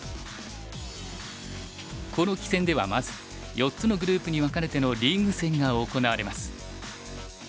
この棋戦ではまず４つのグループに分かれてのリーグ戦が行われます。